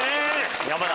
山田。